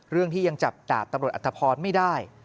เรื่องที่ยังจับดาบตำรวจอัตภพรไม่ได้